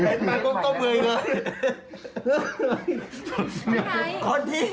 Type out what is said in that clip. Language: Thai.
เห็นมาก็ต้องเมื่อยเลย